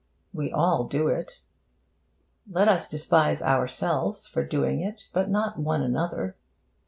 We all do it. Let us despise ourselves for doing it, but not one another.